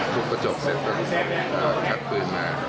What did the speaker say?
พุดกระจบเสร็จแลก็จะขัดพื้นมา